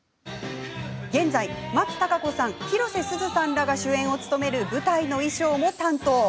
現在、松たか子さん広瀬すずさんらが主演を務める舞台の衣装も担当。